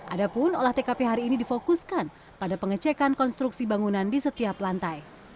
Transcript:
adapun olah tkp hari ini difokuskan pada pengecekan konstruksi bangunan di setiap lantai